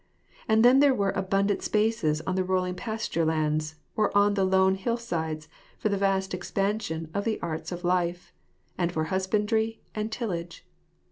And then there were abundant spaces on the rolling pasture lands, or on the lone hill sides, for the vast expansion of the arts of life ; and for husbandry and tillage.